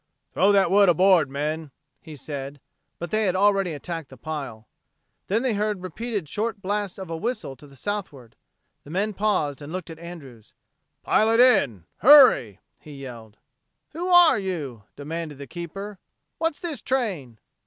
"Throw that wood aboard, men," he said. But they had already attacked the pile. Then they heard repeated short blasts of a whistle to the southward. The men paused and looked at Andrews. "Pile it in! Hurry!" he yelled. "Who are you?" demanded the keeper. "What's this train!"